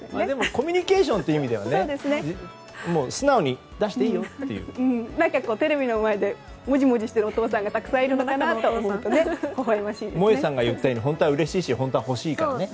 コミュニケーションという意味ではテレビの前でもじもじしているお父さんがいると思うと萌さんが言ったように本当はうれしいし本当は欲しいからね。